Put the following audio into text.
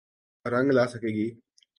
رنگ لا سکے گی۔